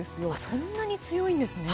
そんなに強いんですね。